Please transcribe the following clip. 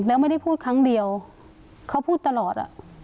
แล้วไม่ได้พูดครั้งเดียวเขาพูดตลอด